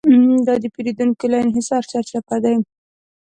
دا د پېریدونکو له انحصار سرچپه دی.